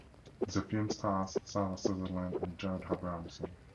The film stars Sarah Sutherland and Jared Abrahamson.